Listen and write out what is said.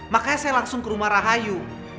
makanya saya langsung ke rumah rahayu